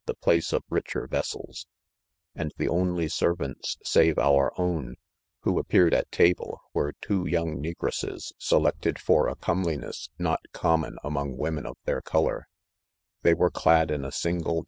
the place of richer vessels j (?) and the only servants, save our own, who ap peared at table, were two young negTcsses se lected for a comeliness not common among wo men of their color, They were clad in a single ■"